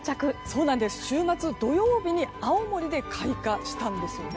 週末土曜日に青森で開花したんです。